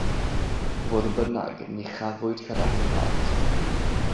Fodd bynnag, ni chafwyd cadarnhad.